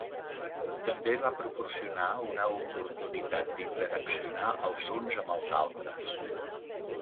També va proporcionar una oportunitat d'interaccionar els uns amb els altres.